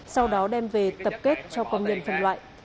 sau đó đem về tập kết cho công nhân phần loại